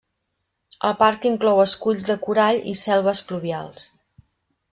El parc inclou esculls de corall i selves pluvials.